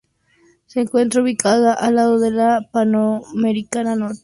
Se encuentra ubicada al lado de la Panamericana Norte.